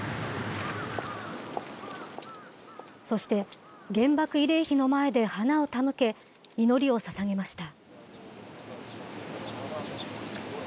そして、原爆慰霊碑の前で花を手向け、祈りをささげました。